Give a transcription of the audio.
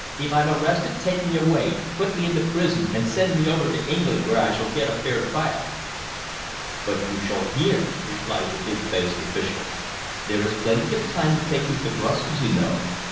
"If I'm arrested, take me away, put me into prison and send me over to England, where I shall get a fair trial." "But you shall hear," replied the big faced official. "There is plenty of time to take you to Brussels, you know.